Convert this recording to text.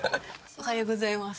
おはようございます。